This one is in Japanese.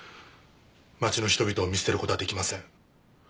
町の人々を見捨てる事はできません。